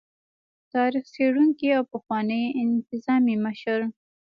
تاريخ څيړونکي او پخواني انتظامي مشر